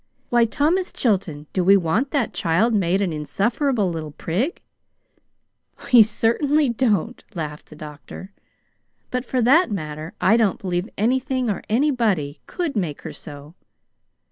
Why, Thomas Chilton, do we want that child made an insufferable little prig?" "We certainly don't," laughed the doctor. "But, for that matter, I don't believe anything or anybody could make her so.